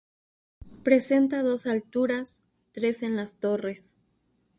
Presenta dos alturas, tres en las torres.